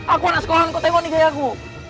aku anak sekolah kau tengok nih kayak gua